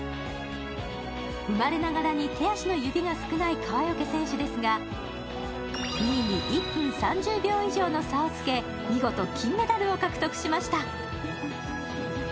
生まれながらに手足の指が少ない川除選手ですが、２位に１分３０秒以上の差をつけ見事、金メダルを獲得しました。